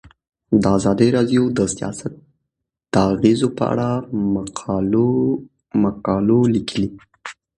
ازادي راډیو د سیاست د اغیزو په اړه مقالو لیکلي.